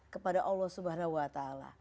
kepada allah swt